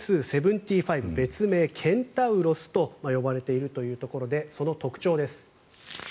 別名・ケンタウロスと呼ばれているというところでその特徴です。